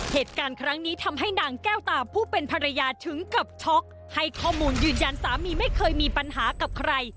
เหตุการณ์ครั้งนี้ทำให้นางแก้วตาผู้เป็นภรรยาถึงกับช็อกให้ข้อมูลยืนยันสามีไม่เคยมีปัญหากับใคร